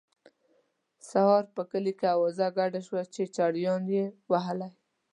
سهار په کلي کې اوازه ګډه شوه چې چړیانو یې وهلی.